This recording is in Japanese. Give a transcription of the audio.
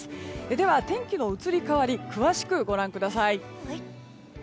では、天気の移り変わりを詳しくご覧ください。